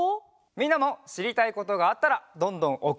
みんなもしりたいことがあったらどんどんおくってね！